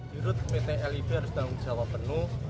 dirut pt lib harus dalam jawa penuh